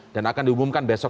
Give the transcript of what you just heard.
dan akan diumumkan besok